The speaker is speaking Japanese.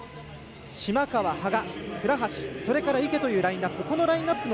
島川、羽賀、倉橋それから池というラインアップ。